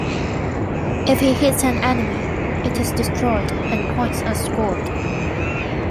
If he hits an enemy, it is destroyed and points are scored.